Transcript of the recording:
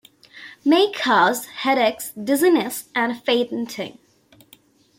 May cause headaches, dizziness and fainting.